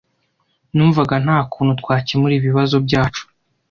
Numvaga nta kuntu twakemura ibibazo byacu.